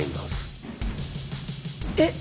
えっ！？